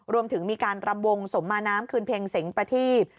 รวมถึงมีการรำวงสมมาน้ำคืนเพ็งเสียงประทีป